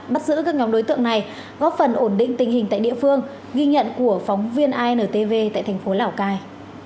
bắt giữ các nhóm đối tượng này góp phần ổn định tình hình tại địa phương ghi nhận của phóng viên intv tại thành phố lào cai